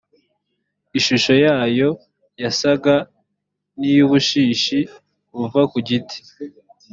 ishusho yayo yasaga n iy ubushishi buva ku giti